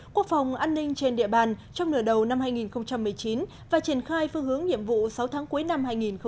quốc phòng an ninh trên địa bàn trong nửa đầu năm hai nghìn một mươi chín và triển khai phương hướng nhiệm vụ sáu tháng cuối năm hai nghìn hai mươi